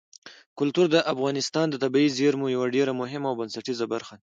کلتور د افغانستان د طبیعي زیرمو یوه ډېره مهمه او بنسټیزه برخه ده.